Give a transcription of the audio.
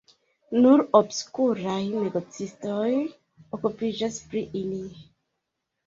Nur obskuraj negocistoj okupiĝas pri ili.